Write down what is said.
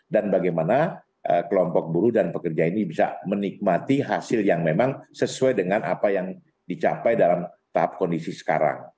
dan bagaimana kelompok buruh dan pekerja ini bisa menikmati hasil yang memang sesuai dengan apa yang dicapai dalam tahap kondisi sekarang